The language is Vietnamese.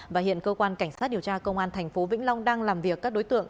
và hiện cơ quan cảnh sát điều tra công an tp vĩnh long đang làm việc các đối tượng